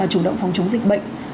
chủ động phòng chống dịch bệnh